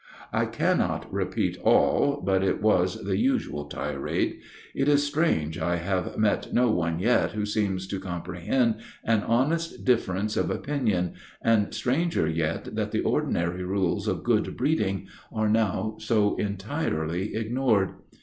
I cannot repeat all, but it was the usual tirade. It is strange I have met no one yet who seems to comprehend an honest difference of opinion, and stranger yet that the ordinary rules of good breeding are now so entirely ignored.